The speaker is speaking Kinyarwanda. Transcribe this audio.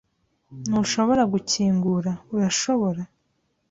Ntushobora gukingura, urashobora?